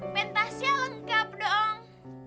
pentasnya lengkap dong